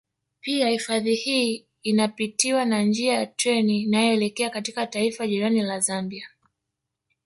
Pia hifadhi hii inapitiwa na njia ya treni inayoelekea katika taifa jirani la Zambia